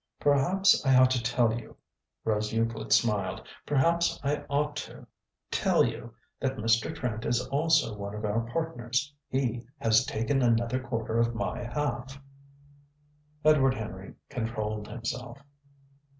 "Perhaps I ought to tell you," Rose Euclid smiled, "perhaps I ought to tell you that Mr. Trent is also one of our partners. He has taken another quarter of my half." Edward Henry controlled himself.